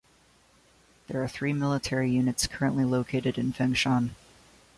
There are three military units currently located in Fengshan.